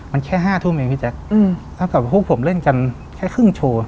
มันแค่๕ทุ่มเองพี่แจ๊คเท่ากับพวกผมเล่นกันแค่ครึ่งโชว์